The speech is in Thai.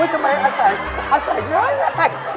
อุ้ยทำไมอาศัยเยอะแน่